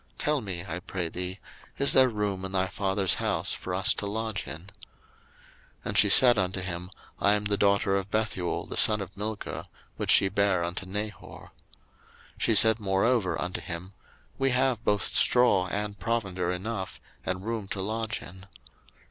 tell me, I pray thee: is there room in thy father's house for us to lodge in? 01:024:024 And she said unto him, I am the daughter of Bethuel the son of Milcah, which she bare unto Nahor. 01:024:025 She said moreover unto him, We have both straw and provender enough, and room to lodge in.